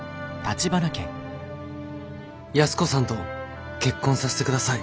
安子さんと結婚させてください。